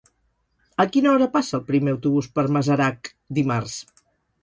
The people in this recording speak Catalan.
A quina hora passa el primer autobús per Masarac dimarts?